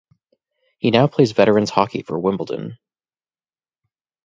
He now plays veterans hockey for Wimbledon.